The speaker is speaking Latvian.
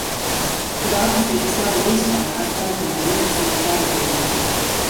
Kur akustikas nav vispār ar telefonā ierakstītu pavadījumu.